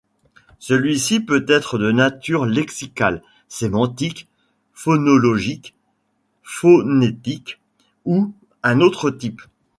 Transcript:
Celui-ci peut être de nature lexicale, sémantique, phonologique, phonétique ou un autre type.